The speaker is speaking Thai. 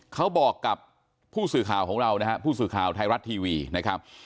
เขาบอกกับผู้สื่อข่าวของเรานะฮะผู้สื่อข่าวไทยรัฐทีวีนะครับ